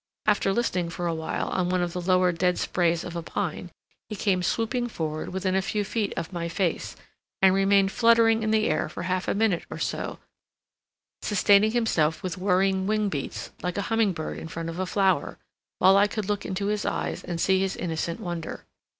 After listening for awhile on one of the lower dead sprays of a pine, he came swooping forward within a few feet of my face, and remained fluttering in the air for half a minute or so, sustaining himself with whirring wing beats, like a humming bird in front of a flower, while I could look into his eyes and see his innocent wonder.